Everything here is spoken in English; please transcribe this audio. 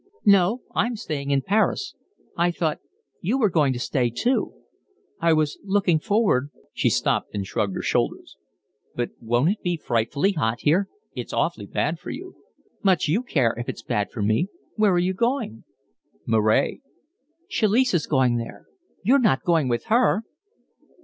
"No, I'm staying in Paris. I thought you were going to stay too. I was looking forward…." She stopped and shrugged her shoulders. "But won't it be frightfully hot here? It's awfully bad for you." "Much you care if it's bad for me. Where are you going?" "Moret." "Chalice is going there. You're not going with her?"